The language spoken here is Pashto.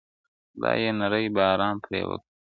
خدايه نری باران پرې وكړې.